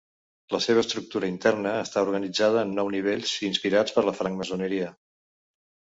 La seva estructura interna està organitzada en nou nivells, inspirats per la francmaçoneria.